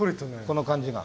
この感じが。